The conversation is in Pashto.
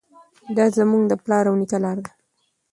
دا زموږ د پلار او نیکه لاره ده.